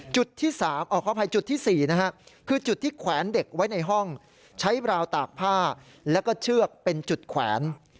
ที่๓ขออภัยจุดที่๔นะฮะคือจุดที่แขวนเด็กไว้ในห้องใช้ราวตากผ้าแล้วก็เชือกเป็นจุดแขวน